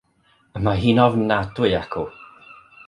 Y mae hi'n ofnadwy acw.